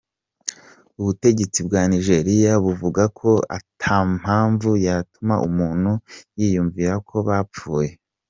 Ubutegetsi bwa Nigeria buvuga ko ata mpamvu yotuma umuntu yiyumvira ko bapfuye.